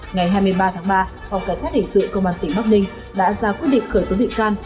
ngày hai mươi ba tháng ba phòng cảnh sát hình sự công an tp hcm đã ra quyết định khởi tố bị can